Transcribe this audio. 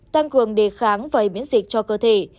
tăng cường địa kháng và hệ miễn dịch cho cơ thể